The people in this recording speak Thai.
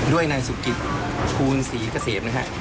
ด้วยนายสุกิตภูลศรีเกษมนะฮะ